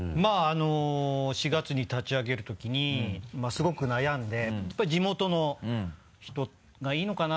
４月に立ち上げる時にすごく悩んでやっぱ地元の人がいいのかな？